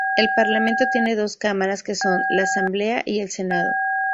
El Parlamento tiene dos cámaras que son: la Asamblea y el Senado.